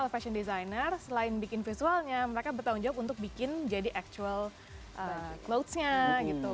fashion designer selain bikin visualnya mereka bertanggung jawab untuk bikin jadi actual clouds nya gitu